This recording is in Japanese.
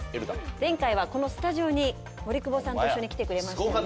前回はこのスタジオに森久保さんと一緒に来てくれましたよね。